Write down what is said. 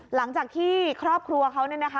หลังจากที่ครอบครัวเขาเนี่ยนะคะ